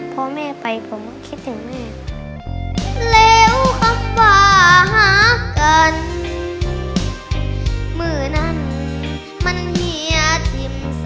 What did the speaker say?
พอแม่ไปผมก็คิดถึงแม่